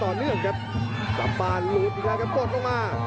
ต่อเนื่องครับกลับบ้านหลุดอีกแล้วครับกดลงมา